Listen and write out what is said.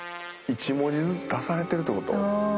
一文字ずつ足されてるってこと？